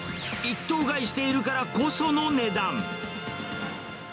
一頭買いしているからこその値段。